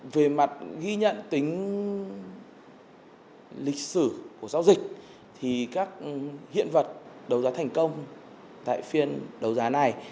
về mặt ghi nhận tính lịch sử của giao dịch thì các hiện vật đấu giá thành công tại phiên đấu giá này